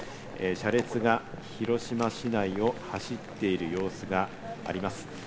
車列が広島市内を走っている様子があります。